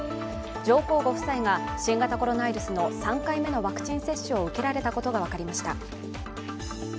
上皇ご夫妻が新型コロナウイルスの３回目のワクチン接種を受けられたことが分かりました。